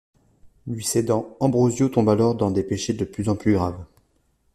Lui cédant, Ambrosio tombe alors dans des péchés de plus en plus graves.